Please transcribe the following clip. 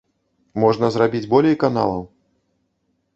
Можна зрабіць болей каналаў.